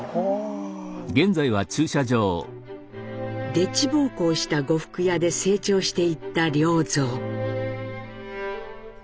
でっち奉公した呉服屋で成長していった良三。